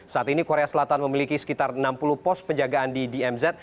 saat ini korea selatan memiliki sekitar enam puluh pos penjagaan di dmz